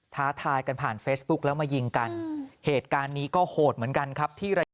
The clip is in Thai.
ท้าทายกันผ่านเฟซบุ๊กแล้วมายิงกันเหตุการณ์นี้ก็โหดเหมือนกันครับที่ระยอง